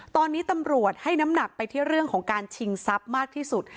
ตอนนี้ตำรวจให้น้ำหนักไปที่เรื่องของการชิงทรัพย์มากที่สุด